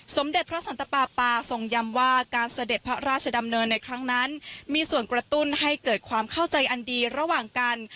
สมเด็จพระสันตปาปาทรงยำว่าการเสด็จพระราชดำเนินในครั้งนั้นมีส่วนกระตุ้นให้เกิดความเข้าใจอันดีระหว่างกัน